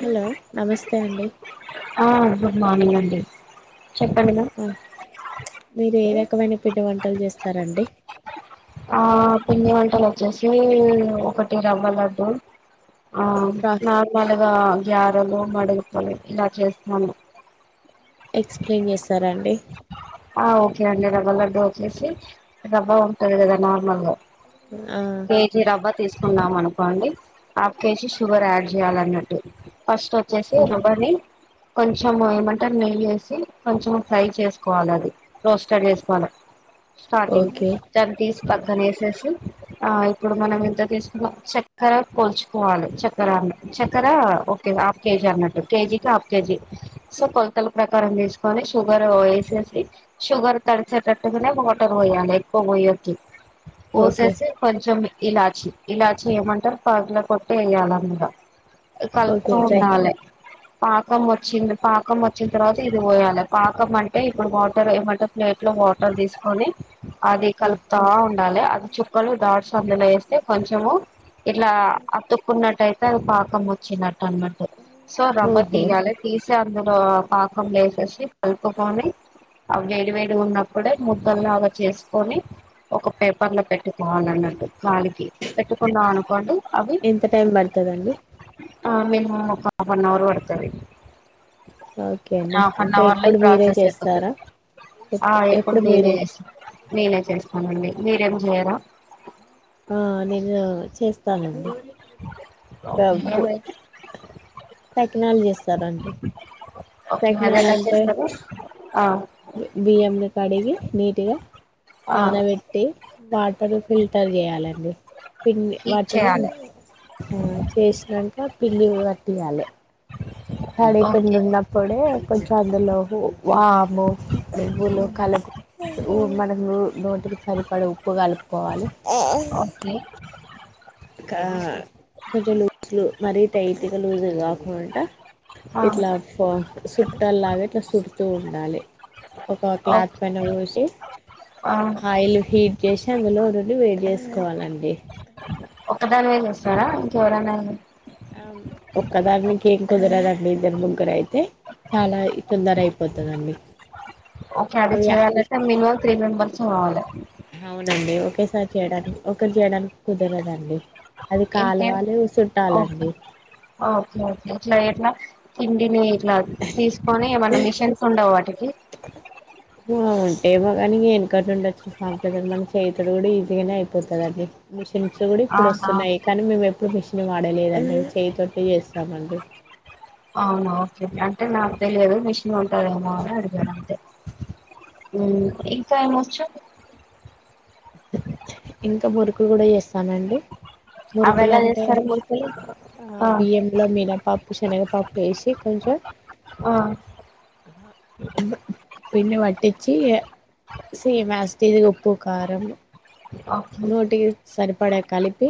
Hello నమస్తే అండి ఆ గుడ్ మార్నింగ్ అండి చెప్పండి మ్యామ్ మీరు ఏ రకమైన పిండి వంటలు చేస్తారండి ఆ పిండి వ టలు వచ్చేసి ఒకటి రవ్వ లడ్డు ఆ ప్రా నార్మలుగా గారెలు వాడ అప్పాలు ఇలా చేస్తాను ఎక్స్ప్లెయిన్ చే స్తారా అండి ఆ ఓకే అండి రవ్వ లడ్డు వచ్చేసి రవ్వ ఉంటది కదా నార్మల్గా ఆ కేజీ రవ్వ తీసుకుందాం అనుకోండి హాఫ్ కేజీ షుగర్ యాడ్ చేయాలన్నట్టు ఫస్ట్ వచ్చేసి రవ్వని కొంచం ఏమంటారు నెయ్యి వేసి కొంచెం ఫ్రై చేసుకోవాలి అది రోస్టెడ్ చేసుకోవాలి స్టార్టింగ్ ఓకే దాన్ని తీసి పక్కనేసేసి ఆ ఇప్పుడు మనం ఎంత తీసుకున్నా చక్కర కోల్చుకోవాలి చక్కెర అ చక్కెర ఓ హాఫ్ కేజీ అన్నట్టు కేజీకి హాఫ్ కేజీ సో కొలతల ప్రకారం తీసుకోనీ షుగర్ ఎసేసి షుగర్ తడిచేటట్టుగానే వాటర్ పొయ్యలే ఎక్కువ పోయ్యదు ఓకే పోసేసి కొంచెం ఇలాచి ఇలాచి ఏమంటారు పగుల కొట్ట యేయ్యాలంత ఓకే కలుపుతూ ట్రై ఉండాలే పాకం వచ్చింది పాకం వచ్చిన తర్వాత ఇది పోయాలి పాకం అంటే ఇప్పుడు వాటర్ ఏమంటే ప్లేట్ లో వాటర్ తీసుకొని అది కలుపుతా ఉండాలి అది చుక్కలు దాచు చన్నలు వేస్తే కొంచము ఇట్లా అతుక్కున్నట్టయి పాకం వచ్చినట్టు వాన్ని పట్టుకో సో [unintelligible] ఓహో తీయాలా తీస్ అందులో పాకం వేసేసి కలుపుకొని ఆ వేడి వేడి ఉన్నప్పుడే ముద్దలాగా చేసుకొని ఒక పేపర్ లో పెట్టుకోవాల అన్నట్టు కాలికి పెట్టుకున్నాం అనుకోండి అవి ఎంత టైం పడుతదండి ఆ మినిమం ఒక హఫ్ అన్ అవర్ పడుతుంది ఓకే అండి అంట అవర్ లో ఈ ప్రాసెస్ అయిపోతది. ఆ ఎప్ ఎప్పుడు నేనే మీరే చేసుకుంటా నేనే చేస్తా అవునండి మీరేం చేయరా ఆ నేను చేస్తా చాలండి ఏమైతది టెక్నాలజీ ఇస్తారాండి ఓకే అది ఎలా చేస్తారు ఆ బియం నీ కడిగి నీట్గా ఆ నానబెట్టి వాటరు ఫిల్టర్ చేయాలని అ పిండి హీట్ వాటిని చేయాలి ఆ చేసినాక పిండి పట్టియాలి తడి పిండి ఓకే ఉన్నప్పుడు కొంచెం అందులో వాము ఇందులో కల మనం నోటికి సరిపడ ఉప్పు కలుపుకోవాలి ఓకే కొంచెం లూస్ మరీ టైట్ గా లూజ్ గా కాకుండా ఎట్లా ఓ సుట్ట [unintelligible] తూ ఉండాలి ఒక క్లాత్ పైన పోసి ఆ ఆయిల్ హీట్ చేసి అందులో రెండు వేడ్ చేసుకోవాలండి ఒక్కదానివే చేస్తారా ఇంకెవరనా ఒక్కదానికి ఏం కుదరదండి ఇద్దరు ముగ్గుర అయితే చాలా తొందర అయిపోతదండి ఓకే అది చెయలంటే మినిమమ్ త్రీ మెంబర్స్ చాలే రండి ఒకేసారి చేయడానికి ఒకరు చేయడానికి కుదరదండి అది ఏం ఏం కాలువాలి ఓకే చుట్టాలండి ఓకే ఎట్లా ఎట్లా తిండి నేరు ఇట్లా తీసుకొని ఏమన్నా మిషన్స్ ఉండవు వాటికి ఉంటేమో కానీ ఎనుకట నుండి వచ్చిన సాఫట్వేర్ మనం చేయితోటి కూడా ఈజీగానే అయిపోతదండి మిషన్ కచూడు ఇప్పుడు అవునవును వస్తున్నాయి కానీ మేం ఎప్ ఇప్పుడు మిషన్ వాడలేదండి చేయితోటి చేస్తామండి అవునా ఓకే అంటే నాకు తెలియదు మిషన్ ఉంటదేమో అని అడిగాను అంతే ఇంకా ఏమొచ్చు ఇంక మురు కూడా యెస్ తనండి అవి ఎలా మురుకులంటే చేస్తారు మురుకులు ఆ బియ్యంల మినపప్పు శనిగపప్పు వేసి కొంచం ఆ పిండి పట్టించి ఇగ సేమ్ ఆస్ టీస్ గ ఉప్పు కారము ఓకే నోటికి సరిపడే కలిపి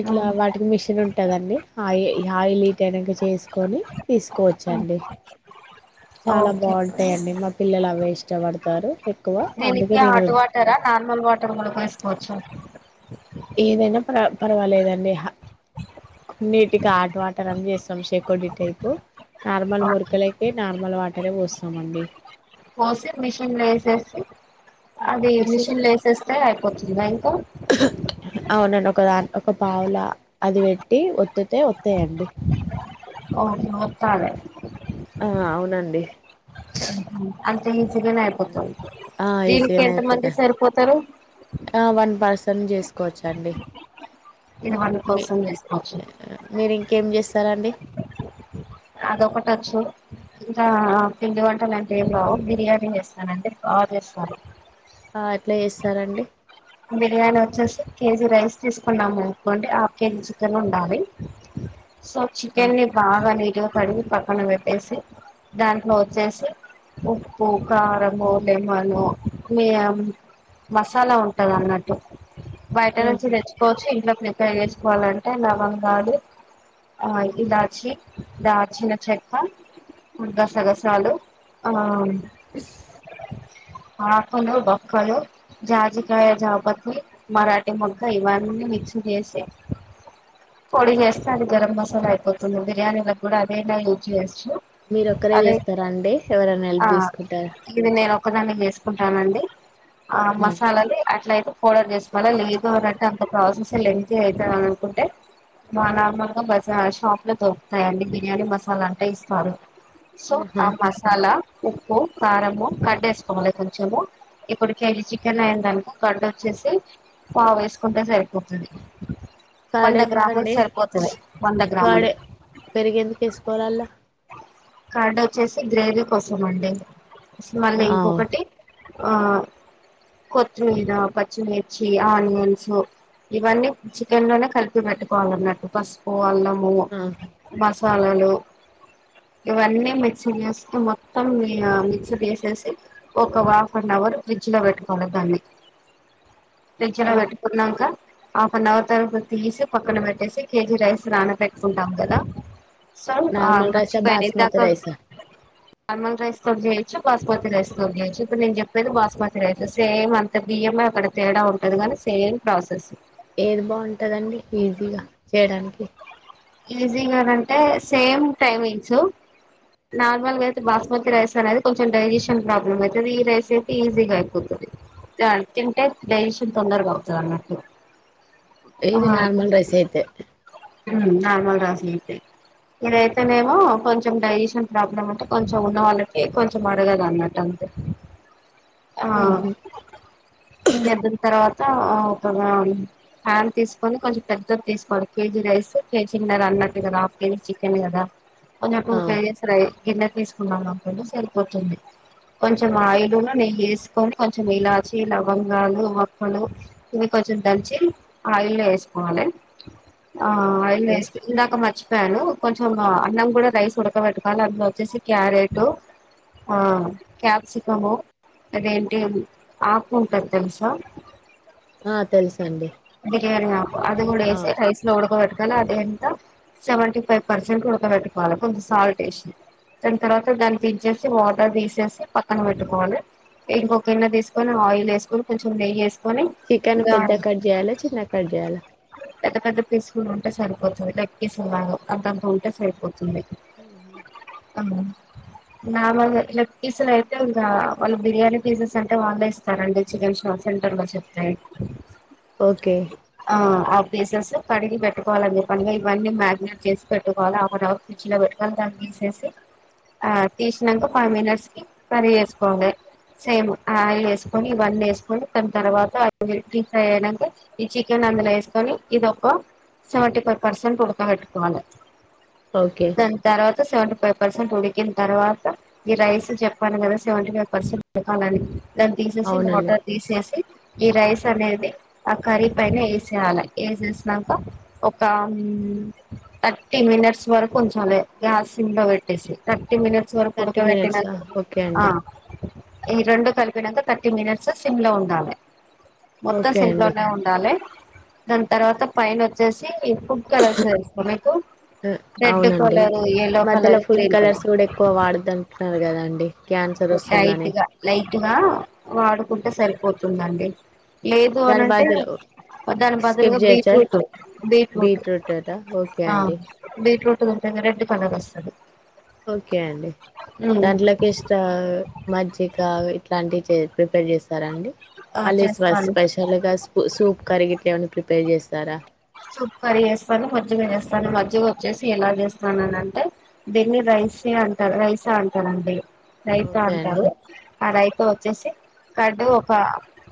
ఇట్లా ఉమ్, వాటికి మిషిన్ ఉంటదండి ఆయి ఈ ఆయిల్ ఈట్ అయినంక చేసుకొని ఉమ్, తీసుకోవచ్చండి చాలా ఓకే బాగుంటాయండి పిల్లలు అవే ఇష్టపడతారు ఎక్కువ అందుకే నేనిత్య నేను హాట్ వాటర్ నార్మల్ వాటర్ మన బస్ ఒచ్చు ఏదైనా ప పర్వాలేదండి నీటికి ఆట్ వాటర్ అవి చేస్తాం శకోడి టైపు నార్మల్ ఓకే మురుకులకి నార్మల్ వాటరే పోస్తామ అండి పోసి మిషన్ల వేసేసి అది మిషన్ మిషన్ల వేసేస్తే అయిపోతుందా ఇంకా అవునండి ఒక దాని ఒక పావుల అది పెట్టి ఒత్తితే ఒతయండి ఓకే ఒత్తలే ఆ అవునండి అంత్ మంచిగానే అయిపోతుంది ఆ దీనికి ఈజీగానే ఎంత మంది అయిపోతాయి సరిపోతరు అసం చేసుకోవచ్చండి ఇది మన కోసం చేసుకోవచ్చు రా అండి అదొకటొచ్చు ఇంకా పిండి వంటలు అంటే ఏమి రావు బిర్యానీ చేస్తానండి బాగా చేస్తారు ఆ ఎట్లా చేస్తారండి బిర్యానీ వచ్చేసి కేజి రైస్ తీసుకున్నాం అనుకోండి హాఫ్ కేజి చికెన్ ఉండాలి సో ఆ చికెన్ ని బాగా నీట్ గా కడిగి పక్కన పెట్టేసి దాంట్లో వచ్చేసి ఉప్పు కారము లేమనూ మీ మసాలా ఉంటది అన్నట్టు బయట నుంచి ఆహా తెచ్చుకోవచ్చు ఇంట్ల మెత్తగా చేసుకోవాలంటే లవంగాలు ఆ ఇలాచి దాచిన చెక్క గసగసాలు ఆ [unintelligible] ఆకులు బొక్కలు జాజికయ జాపత్రి మరాఠీమోగ్గ ఇవన్నీ మిక్స్ చేసి పొడి చేస్తది గరం మసాలా అయిపోతుంది బిర్యానీ లకు కూడా అదైనా యూజ్ చేస్త మీరు ఒక్కరే చేస్తారా అండి ఎవరన్నా హెల్ప్ ఆ తీసుకుంటారా ఇది నేను ఒకదాన్ని చేస్కుంటానండి ఆ ఉమ్ మసాలాని అట్ల అయి పౌడర్ చేసుకోవాలా లేదు అనింటే అంత ప్రాసెస్ లెంగ్తీ అయితధననుకుంటే మా నార్మల్ బయట షాప్ లో దొరుకుతాయండి బిర్యానీ మసాలా అంటే ఇస్తారు సొ ఆహా ఆ మసాలా ఉప్పు కారము కర్డ్ వేసుకోవాలి కొంచము ఇక్కటి కేజీ చికెన్ అయిన దనుకో కార్డ్ ఒచ్చేసి పావు వేసుకుంటే సరిపోతుంది వంద గ్రాములు సరిపోతది వంద గ్రాములు కాడే పెరిగేందుకు వేసుకోవాలల్ల కార్డ ఒచ్చేసి గ్రేవీ కోసం అండి మళ్ళీ ఆవ్ ఇంకొకటి ఆ కొత్తిమీర పచ్చిమిర్చి ఆనియన్సు ఇవన్నీ చికెన్ లోనే కలిపి పెట్టుకోవాలన్నట్టు ఫస్ట్ పు అల్లం ఆ పస్ సాలలు ఇవన్నీ మిక్సీ చేస్త మొత్తం మిక్సీ కెసేసి ఒక హాఫ్ అన్ అవర్ ఫ్రిడ్జ్లో పెట్టుకోవాలి దాన్ని ఫ్రిడ్జ్ ఆ. లో పెట్టుకున్నంక హాఫ్ అన్ అవర్ తరవాత తీసి పక్కన పెట్టేసి కేజీ రైస్ నానా పెట్టుకుంటాం కదా సొ నార్మల్ రైసా మర్చిపోయిన బాస్మతి ఇందాక రైసా నార్మల్ రైస్ తోని చేయొచ్చు బాస్మతి రైస్ తోని చేయొచ్చు ఇప్పుడు నేను చెప్పేది బాస్మతి రైస్ సేమ్ అంత బియ్యం అక్కడ తేడా ఉంటది గానీ సేమ్ ప్రాసెస్ ఏది బాగుంటదండి ఈజీగా చేయడానికి ఈజీగానంటే సేమ్ టైమింగ్స్ నార్మల్గా అయితే బాస్మతి రైస్ అనేది కొంచెం డైజెషన్ ప్రాబ్లమ్ అయితది ఈ రైస్ అయితే ఈజీగా అయిపోతది రాన్ తింటే డైజెషన్ తొందరగా అవుతదన్నట్టు ఏది నార్మల్ రైస్ ఐతే ఉం నార్మల్ రాస అయితే ఇదైతేనేమో కొంచెం డైజెషన్ ప్రాబ్లమ్ అంటే కొంచెం ఉన్న వాళ్ళకి కొంచెం అరగదు అన్నట్టు అంతే ఆ ఉహు ఎంజేద్దిన్ తర్వాత అ రాన్ హ్యాన్ తీసుకొని కొంచెం పెద్దది తీసుకోడ కేజీ రైస్ కేజీన్నర అన్నట్టు కదా హాఫ్ కేజీ చికెన్ కదా కొంచం టూ ఆ కేజీస్ రై గిన్నె తీసుకున్నామనుకుంటే సరిపోతుంది కొంచెం ఆయిలున్ను నేయ్యి ఏసుకొని కొంచెం ఇలాచి లవంగాలు వక్కలు ఇవి కొంచెం దంచి ఆయిల్ల్లో ఎసుకోవాలే ఆ అయిల్ ఓకే వేస్ ఇందాక మర్చ్ చెప్పాను కొంచెం అన్నం కూడా రైస్ ఉడకబెట్టుకోవాలే అందులో వచ్చే క్యారెట్ ఆ క్యాప్సికము అదేంటి ఆకు ఉంటది తెలుసా ఆ తెలుసు బిర్యాణి ఆకు అది కూడా ఏసీ రైస్ లో ఉడక బెట్టు నా డెంత సెవెంటీ ఫైవ్ పర్సెంట్ ఉడక పెట్టుకోవాలే కొంచెం సాల్ట్ ఎసి దాని తర్వాత దాన్ని దిచ్చేసి వాటర్ తీసేసి పక్కన పెట్టుకోవాలే ఇంకొగిన్న తీసుకొని ఆయిల్ ఏసుకొని కొంచెం నెయ్యేసు చికెన్ పెద్ద కడ్జె యల చిన్నాగ కట్ చేయాలా ంటే సరిపోతుంది లెగ్పీస్ ఉండాలే అంతాంతా ఉంటే సరిపోతుంది ఉహు నా లగె లెగ్ పీసులఅయితే ఇంకా వాళ్ళు బిర్యానీ పీసెస్ అంటే వాళ్ళే ఇస్తారండి చికెన్ షాప్ సెంటర్ లో చెప్తే ఓకే ఆ ఆ పీసెస్ కడిగి పెట్టుకోవలని చెప్పానుగా ఇవన్నీ మ్యాగనెట్ చేసి పెట్టుకోవాలి ఆఫ్ ఎన్అవర్ ఫ్రిడ్జ్ లో పెట్టుకోని దాన్ని తీసెసి ఆ తీసినంక ఫైవ్ మినిట్స్ కీ కర్రీ వేసుకోవాలే సేమ్ అయిల్ వేసుకొని ఇవన్ని వేసుకొని కొని తర్వాత డి ఫ్రై అయి క ఈ చికెన్ అందులో వేసుకొని ఇదిొ ఒక సెవెంటీ ఫైవ్ పర్సెంట్ వుడక పెట్టుకోవాలే ఓకే దన్ తర్వాత సెవంట ఫైవ్ పర్సెంట్ ఉడికిన్ తర్వాత ఈ రైస్ చెప్పను కదా సెవెంటీ ఫైవ్ పర్సెంట్ ఉడకాలని దాన్ని తీసేసి అవునండి మోటర్ తీసేసి ఈ రైస్ అనేది ఆ కర్రీ పైన వేసేయాలే వేసేసినాక ఒక థర్టీ మినిట్స్ వరకు కొంచాలే గ్యాస్ సిమ్ లో పెట్టేసి థ ర్టీ మినట్స్ వరకు థర్టీ మినిట్సా ఉడకపెట్టిననుకో ఓకే ఆ అండి ఆ ఈ రెండు కలిపినంక థర్టీ మినిట్స్ సిమ్ లో ఉండాలి మొత్తం ఓకే అండి ఇంట్లోనే ఉండాలే దాని తర్వాత పైన వచ్చేసి ఫుడ్ కలర్స్ తెలుసా మీకు రెడ్ అవునండి కలర్ ఈ ఎల్లో మధ్యలో colour food green colour colours కూడా ఎక్కువ వాడద్దు అంటున్నారు కదా అండి క్యాన్ లైట్గా లైట్ గా వాడుకుంటే సరిపో పోతుందండి లేదు దాని అనింటే బదులు దాని స్కిప్ బదులుగా చేయొచ్చా బీట్రూట్ బీట్రూట్ బీట్రూట్ట ఓకే అండి బీట్రూట్ రెడ్ కలర్ వస్తుంది ఓకే అండి దాంట్లోకి ఇస్తా మజ్జిగ ఇట్లాంటివి ప్రిపేర్ చేస్తారండి ఆ అలే స్ చేస్తాను స్పెషల్ గా సూప్ కరిగిట్లేమ పే చేస్తారా సూప్ కర్రీ చేస్తాను మజ్జిగ చేస్తాను మజ్జిగ వచ్చేసి ఎలా చేస్తానుని అంటే దీన్ని రైసే అంటారు రైసే అంటారండి రైతు ఓకే అండి అంటారు ఆ రైతు వ వచ్చేసి కడ్డు ఒక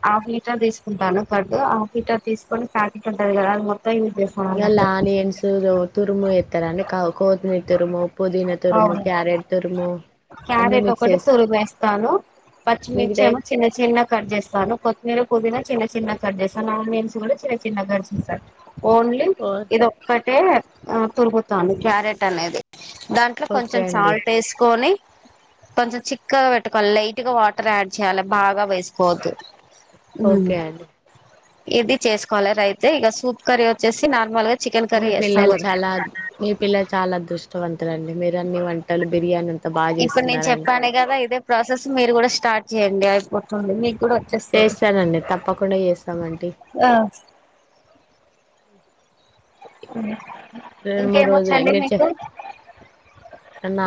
హాఫ్ లీటర్ తీసుకుంటాను కడ్డు హాఫ్ లీటర్ తీసుకొని ప్యాకెట్ ఉంటది కదా మొత్తం యూజ్ చేస్తాను ఇలా అన్నట్టు ఆనియన్స్ద తురుము ఎత్ తురుము అవును క్యారెట్ తురుము అన్ని క్యారెట్ మిక్స్ ఒకటి చేసి తురుగు వేస్తాను పచ్చిమిర్చి మిగతాయి ఏమో చిన్న చిన్న కట్ చేస్తాను కొత్తిమీర చిన్న చిన్న కట్చేస్తన ఆనియన్స్ కూడా చిన్న చిన్న కట్చేస్తా ఓన్లీ ఇది ఒక్కటే ఆ తరుము వును క్యారెట్ అనేది దాంట్లో ఓకే కొంచెం అండి సాల్ట్ వేసుకొని కొంచెం చిక్కగా పెట్టుకోవాలి లైట్ గా వాటర్ యాడ్ చేయాలి భాగ వేసుకోవోదు ఓకే అండి ఇది చేసుకోవాలి రైతే ఇక సూపు కర్రీ వచ్చేసి నార్మల్గా మీ పిల్లలు చాలా మీ పిల్లలు చాలా అదృష్టవంతులాండి మీరు అన్ని వంటలు బిర్యానీ బాగా ఇప్పుడు నేను చేస్తున్నారండి చెప్పాను కదా ఇదే ప్రాసెస్ మీరు కూడా స్టార్ట్ చేయండి అయిపోతుంది మీకు కూడా వచ్చేస్తుంది చేస్తానండి తప్పకుండా చేస్తామండి ఆ అ రెండు మూడు రోజు మర్చ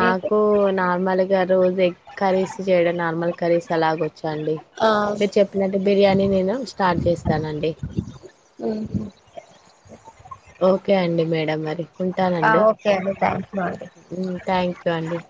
మీకు నార్మల్ ఇ రోజు ఎగ్ కర్రీస్ చేయడం నార్మల్ కర్రీస్ అలాగ వచ్చాండి ఆ మీరు చెప్పినట్టు బిర్యానీ నేను స్టార్ట్ చేస్తానండి ఉహు ఓకే అండి మేడం మరి ఆ ఉంటానండి ఓకే అండి థ్యాంక్ యూ అండి థ్యాంక్ యూ ప్పండి